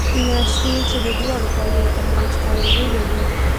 سیند، چې د دواړو پوځونو تر منځ حایل وو، ولید.